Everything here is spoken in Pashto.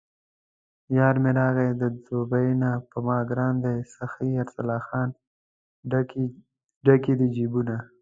یارمې راغلی د دوبۍ نه په ماګران دی سخي ارسلان، ډک یې د جېبونه